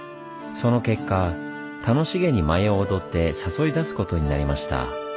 その結果楽しげに舞を踊って誘い出すことになりました。